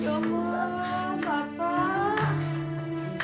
ya allah bapak